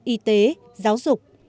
y tế giáo dục